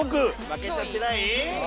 負けちゃってない？